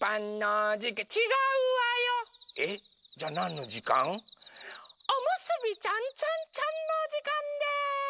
「おむすびちゃんちゃんちゃん」のじかんです！